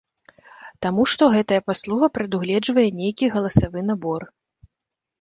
Таму што гэтая паслуга прадугледжвае нейкі галасавы набор.